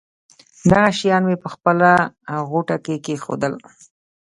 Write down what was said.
دغه شیان مې په خپله غوټه کې کېښودل.